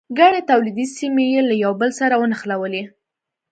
ګڼې تولیدي سیمې یې له یو بل سره ونښلولې.